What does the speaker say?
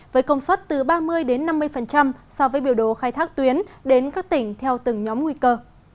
với công suất từ ba mươi năm mươi so với biểu đồ khai thác tuyến đến các tỉnh theo từng nhóm nguy cơ